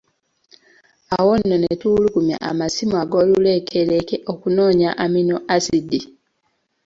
Awo nno ne tuwulugumya amasimu ag’oluleekereeke okunoonya amino asidi.